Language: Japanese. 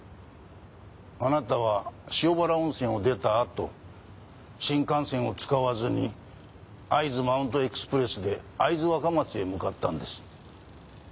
あなたは塩原温泉を出たあと新幹線を使わずに「ＡＩＺＵマウントエクスプレス」で会津若松へ向かったんです。